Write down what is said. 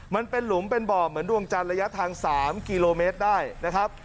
มันเป็นหลุมเป็นบ่อเหมือนดวงจันทร์ระยะทาง๓กิโลเมตรได้นะครับ